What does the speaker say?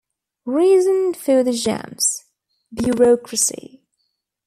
Reason for the jams: bureaucracy.